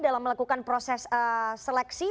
dalam melakukan proses seleksi